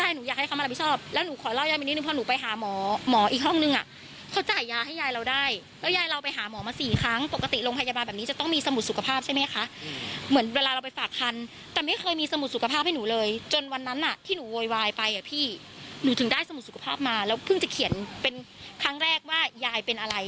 หนูถึงได้สมุทรสุขภาพมาแล้วเพิ่งจะเขียนเป็นครั้งแรกว่ายายเป็นอะไร